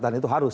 dan itu harus